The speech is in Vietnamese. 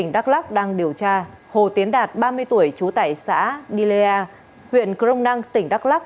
đặc đang điều tra hồ tiến đạt ba mươi tuổi trú tại xã nilea huyện crong năng tỉnh đắk lắc